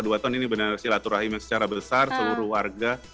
berjumpa dengan sholat turahim secara besar seluruh warga